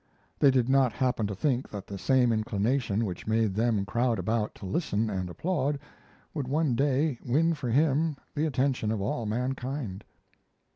They did not happen to think that the same inclination which made them crowd about to listen and applaud would one day win for him the attention of all mankind.